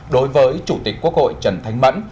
đối với chủ tịch quốc hội trần thánh mẫn